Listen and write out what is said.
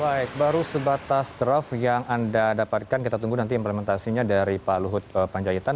baik baru sebatas draft yang anda dapatkan kita tunggu nanti implementasinya dari pak luhut panjaitan